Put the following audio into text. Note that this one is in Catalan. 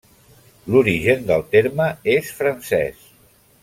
L'origen del terme és francès.